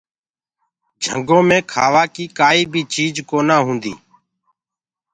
جهنگو مي کآوآ ڪيٚ ڪآئي بي چيج ڪونآ هوندي۔